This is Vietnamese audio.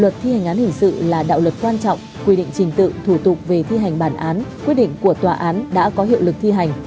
luật thi hành án hình sự là đạo luật quan trọng quy định trình tự thủ tục về thi hành bản án quyết định của tòa án đã có hiệu lực thi hành